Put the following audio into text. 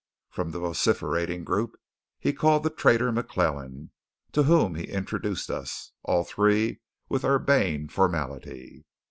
From the vociferating group he called the trader, McClellan, to whom he introduced us, all three, with urbane formality.